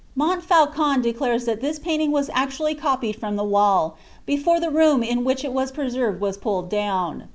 Mont&ucon declares that thia painting was actually copied from the wall, before the room in which it WM piMerved was pulled down.